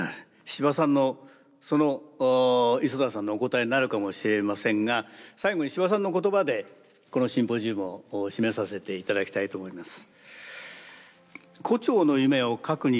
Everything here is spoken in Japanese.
司馬さんのその磯田さんのお答えになるかもしれませんが最後に司馬さんの言葉でこのシンポジウムを締めさせて頂きたいと思います。